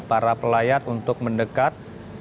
para pelayar untuk mendekat